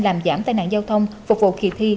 làm giảm tai nạn giao thông phục vụ kỳ thi